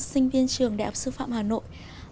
sinh viên trường đại học sư phạm hà nội